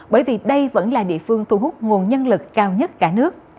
bởi vì đây vẫn là địa phương thu hút nguồn nhân lực cao nhất cả nước